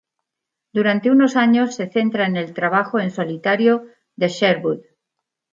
Durante unos años se centra en el trabajo en solitario de Sherwood.